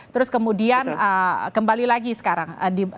terus kemudian kembali lagi sekarang